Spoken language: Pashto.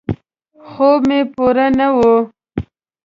خوب مې پوره نه و.